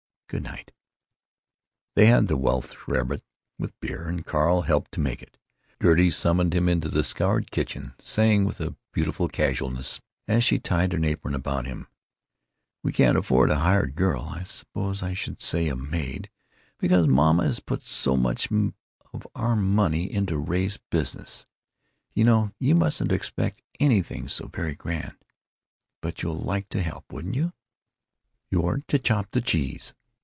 Good night." They had the Welsh rarebit, with beer, and Carl helped to make it. Gertie summoned him into the scoured kitchen, saying, with a beautiful casualness, as she tied an apron about him: "We can't afford a hired girl (I suppose I should say a 'maid'), because mamma has put so much of our money into Ray's business, so you mustn't expect anything so very grand. But you'd like to help, wouldn't you? You're to chop the cheese.